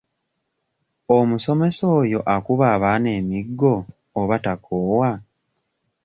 Omusomesa oyo akuba abaana emiggo oba takoowa?